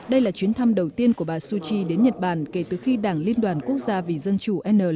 đây là chuyến thăm đầu tiên của bà suchi đến nhật bản kể từ khi đảng liên đoàn quốc gia vì dân chủ